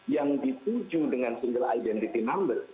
yang dituju dengan single identity number